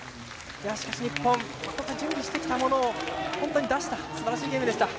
しかし、日本準備してきたものを本当に出したすばらしいゲームでした。